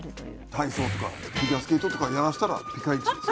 体操とかフィギュアスケートとかやらせたらピカイチですよね。